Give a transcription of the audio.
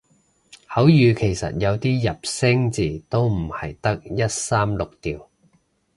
口語其實有啲入聲字都唔係得一三六調